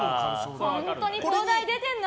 本当に東大出てんの？